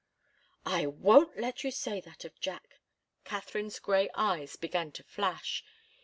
"I won't let you say that of Jack!" Katharine's grey eyes began to flash.